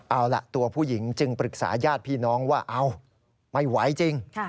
เอาล่ะตัวผู้หญิงจึงปรึกษาญาติพี่น้องว่าเอาไม่ไหวจริง